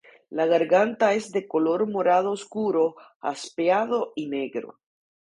La garganta es de color morado oscuro jaspeado y negro.